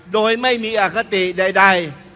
โดยไม่มีอคติใด